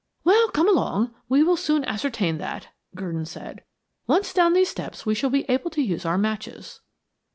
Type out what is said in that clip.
"Well, come along; we will soon ascertain that," Gurdon said. "Once down these steps, we shall be able to use our matches."